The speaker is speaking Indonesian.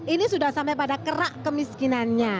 ini sudah sampai pada kerak kemiskinannya